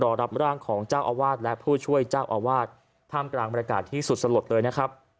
รับร่างของเจ้าอาวาสและผู้ช่วยเจ้าอาวาสท่ามกลางบรรยากาศที่สุดสลดเลยนะครับ